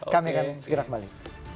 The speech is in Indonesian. kami akan segera kembali